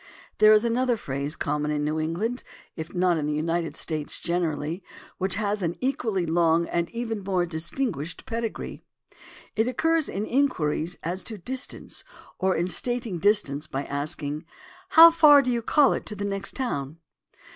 There is another phrase common in New England, if not in the United States generally, which has an equally long and even more distinguished pedigree. It occurs in inquiries as to distance or in stating dis tance by asking: "How far do you call it to the next town?"